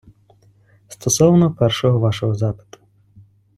Стосовно першого вашого запиту.